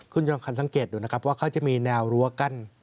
คุณจำขันสังเกตดูนะครับว่าเขาจะมีแนวรั้วกั้น